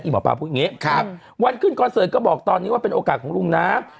หมอปลาพูดอย่างนี้วันขึ้นคอนเสิร์ตก็บอกตอนนี้ว่าเป็นโอกาสของลุงน้ำ